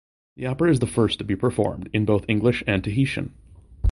The opera is the first to be performed in both English and Tahitian.